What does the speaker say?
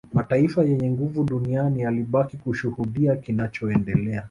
Mataifa yenye nguvu duniani yalibaki kushuhudia kinachoendelea